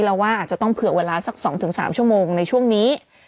แล้วว่าอาจจะต้องเผื่อเวลาสัก๒๓ชั่วโมงในช่วงนี้